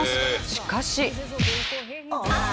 しかし。